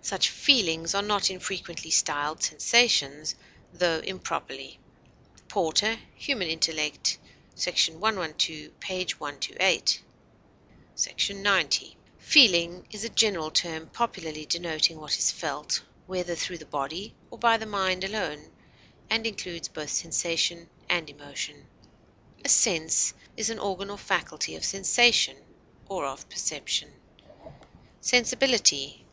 Such feelings are not infrequently styled sensations, though improperly." PORTER Human Intellect § 112, p. 128. [S. '90.] Feeling is a general term popularly denoting what is felt, whether through the body or by the mind alone, and includes both sensation and emotion. A sense is an organ or faculty of sensation or of perception. SENSIBILITY.